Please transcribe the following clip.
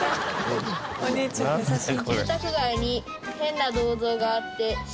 お兄ちゃん優しい。